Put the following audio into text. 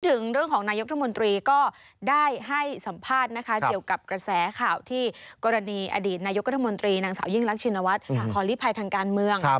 ถึงเรื่องของนายกรัฐมนตรีก็ได้ให้สัมภาษณ์นะคะเกี่ยวกับกระแสข่าวที่กรณีอดีตนายกรัฐมนตรีนางสาวยิ่งรักชินวัฒน์ขอลิภัยทางการเมือง